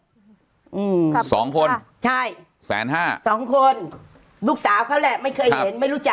อืมครับสองคนใช่แสนห้าสองคนลูกสาวเขาแหละไม่เคยเห็นไม่รู้จัก